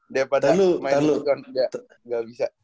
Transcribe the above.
dari pada main weekend gak bisa